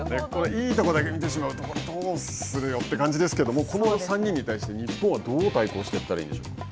いいところだけを見てしまうとどうするよって感じですが、この３人に対して日本は、どう対抗したらいいんでしょうか。